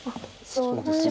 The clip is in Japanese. そうですね。